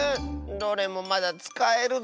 どれもまだつかえるぞ。